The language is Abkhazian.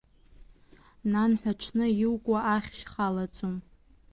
Нанҳәа аҽны иукуа ахьшь халаӡом.